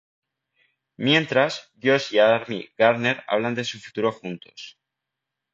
Mientras, Josh y Amy Gardner hablan de su futuro juntos.